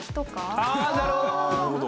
ああなるほど！